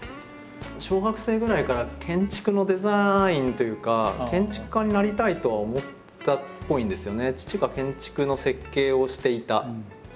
小学生ぐらいから建築のデザインというか建築家になりたいとは思ったっぽいんですよね。